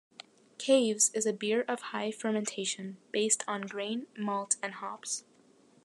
Caves is a beer of high fermentation, based on grain, malt and hops.